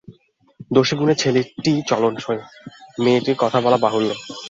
দোষে গুণে ছেলেটি চলনসই, মেয়েটির কথা বলা বাহুল্য।